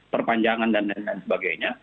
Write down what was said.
perpanjangan dan lain lain